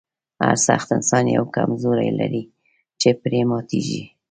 هر سخت انسان یوه کمزوري لري چې پرې ماتیږي